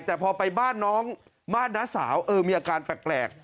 แต่พอไปบ้านน้องบ้านน้าสาวเออมีอาการแปลก